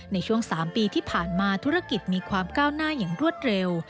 ในช่วง๓ปีที่ผ่านมาธุรกิจมีความก้าวหน้าอย่างรวดเร็ว